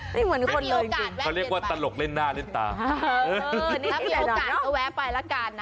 เหมือนคนมีโอกาสแวะเขาเรียกว่าตลกเล่นหน้าเล่นตาถ้ามีโอกาสก็แวะไปแล้วกันนะ